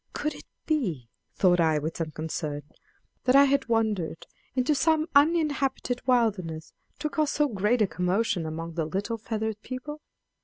Could it be, thought I with some concern, that I had wandered into some uninhabited wilderness, to cause so great a commotion among the little feathered people?